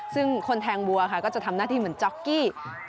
ซึ่งคนแทงบัวค่ะก็จะทำหน้าที่เหมือนจ๊อกกี้